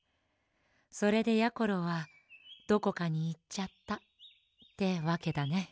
それでやころはどこかにいっちゃったってわけだね。